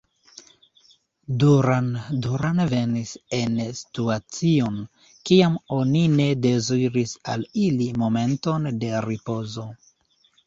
Duran Duran venis en situacion, kiam oni ne deziris al ili momenton de ripozo.